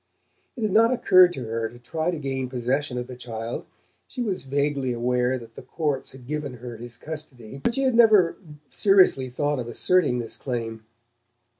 It had not occurred to her to try to gain possession of the child. She was vaguely aware that the courts had given her his custody; but she had never seriously thought of asserting this claim.